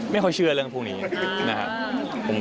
ไม่ค่อยเชื่อเรื่องพวกนี้นะครับ